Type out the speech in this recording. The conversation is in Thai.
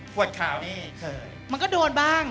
ขวดขาวนี่เคยมันก็โดนบ้าง